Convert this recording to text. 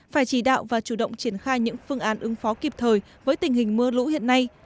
phải chỉ đạo và chủ động triển khai những phương án ứng phó kịp thời với tình hình mưa lũ hiện nay